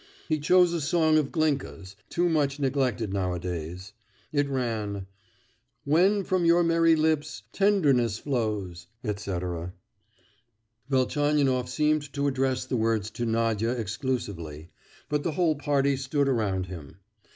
He chose a song of Glinke's, too much neglected nowadays; it ran:— "When from your merry lips Tenderness flows," &c. Velchaninoff seemed to address the words to Nadia exclusively, but the whole party stood around him.